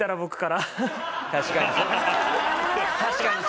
確かに。